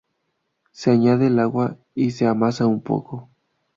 Se añade el agua y se amasa un poco.